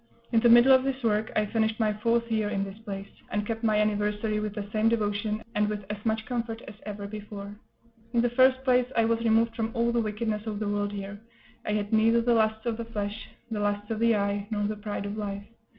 In the middle of this work I finished my fourth year in this place, and kept my anniversary with the same devotion, and with as much comfort as ever before. In the first place, I was removed from all the wickedness of the world here; I had neither the lusts of the flesh, the lusts of the eye, nor the pride of life.